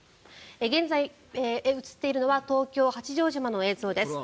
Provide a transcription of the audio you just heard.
現在映っているのは東京・八丈島の映像です。